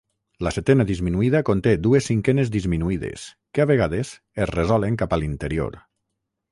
La setena disminuïda conté dues cinquenes disminuïdes, que a vegades es resolen cap a l'interior.